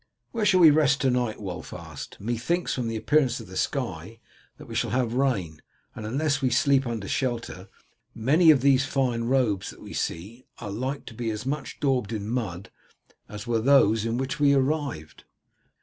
"Where shall we rest tonight?" Wulf asked. "Methinks from the appearance of the sky that we shall have rain, and unless we sleep under shelter, many of these fine robes that we see are like to be as much dabbled in mud as were those in which we arrived."